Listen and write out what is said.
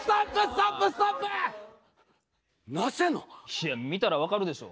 いや見たら分かるでしょ。